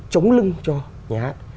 chống lưng cho nhà hát